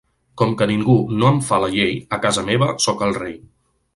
Com que ningú no em fa la llei, a casa meva soc el rei.